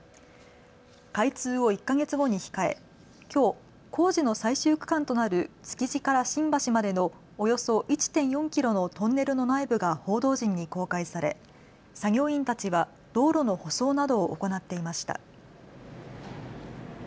開通を１か月後に控え、きょう工事の最終区間となる築地から新橋までのおよそ１．４キロのトンネルの内部が報道陣に公開され作業員たちは道路の舗装などを行っていました。